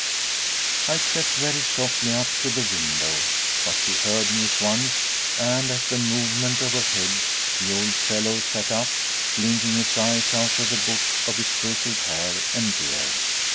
I crept very softly up to the window, but she heard me at once; and at the movement of her head the old fellow sat up, blinking his eyes out of the bush of his grizzled hair and beard.